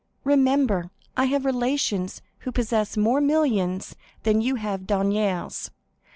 Remember, I have relations who possess more millions than you have deniers.